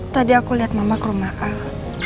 tadi aku lihat mama ke rumah al